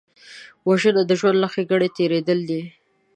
وژنه د ژوند له ښېګڼې تېرېدل دي